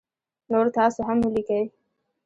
نور تاسو هم ولیکی